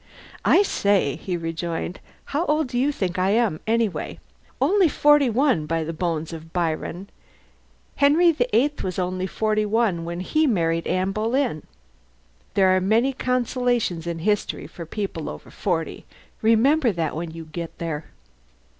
"I say," he rejoined, "how old do you think I am, anyway? Only forty one, by the bones of Byron! Henry VIII was only forty one when he married Anne Boleyn. There are many consolations in history for people over forty! Remember that when you get there.